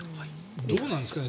どうなんですかね。